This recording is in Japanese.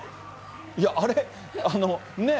いや、あれ、ねえ？